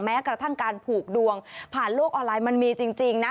แม้กระทั่งการผูกดวงผ่านโลกออนไลน์มันมีจริงนะ